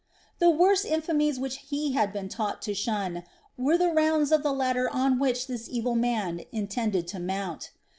The worst infamies which he had been taught to shun were the rounds of the ladder on which this evil man intended to mount.